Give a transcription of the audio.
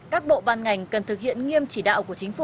các bộ ban ngành cần thực hiện nghiêm chỉ đạo của chính phủ